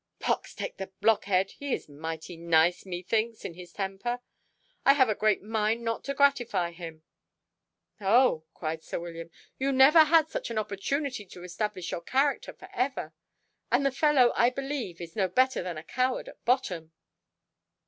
"Pox take the blockhead, he is mighty nice, methinks, in his temper. I have a great mind not to gratify him." "Oh," cried sir William, "you never had such an opportunity to establish your character for ever. And the fellow I believe is no better than a coward at bottom."